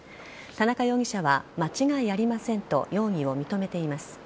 田中容疑者は間違いありませんと容疑を認めています。